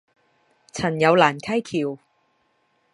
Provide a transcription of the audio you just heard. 陳有蘭溪橋